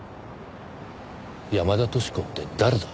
山田淑子って誰だ？